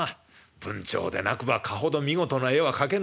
文晁でなくばかほど見事な絵は描けぬもの。